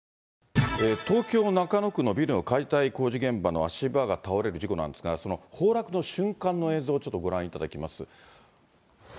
東京・中野区のビルの解体工事現場の足場が倒れる事故なんですが、崩落の瞬間の映像をご覧いただきます。